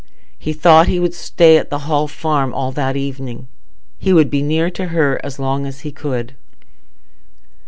He thought he would stay at the Hall Farm all that evening. He would be near her as long as he could.